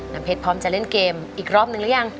เพชรพร้อมจะเล่นเกมอีกรอบนึงหรือยัง